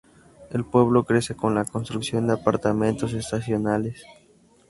El pueblo crece con la construcción de apartamentos estacionales.